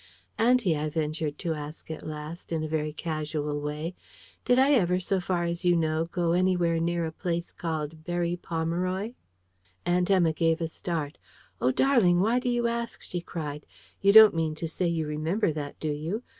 "Auntie," I ventured to ask at last, in a very casual way, "did I ever, so far as you know, go anywhere near a place called Berry Pomeroy?" Aunt Emma gave a start. "Oh, darling, why do you ask?" she cried. "You don't mean to say you remember that, do you?